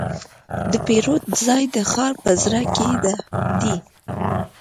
د پیرود ځای د ښار په زړه کې دی.